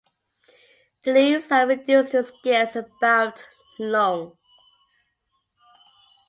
The leaves are reduced to scales about long.